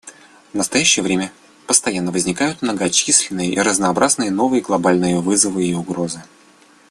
В настоящее время постоянно возникают многочисленные и разнообразные новые глобальные вызовы и угрозы.